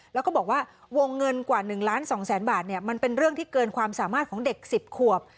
แล้วก็บอกว่าวงเงินกว่า๑ล้าน๒แสนบาทมันเป็นเรื่องที่เกินความสามารถของเด็ก๑๐ขวบ